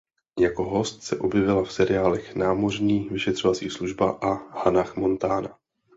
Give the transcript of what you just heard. Jako host se objevila v seriálech "Námořní vyšetřovací služba" a "Hannah Montana".